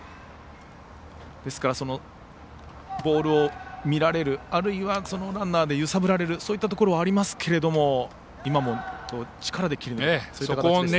ですからボールを見られるあるいはランナーで揺さぶられるそういったところがありますけど今も力で切り抜けたという形ですよね。